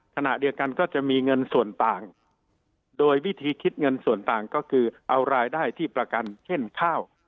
ขณะเดียวกันก็จะมีเงินส่วนต่างโดยวิธีคิดเงินส่วนต่างก็คือเอารายได้ที่ประกันเช่นข้าว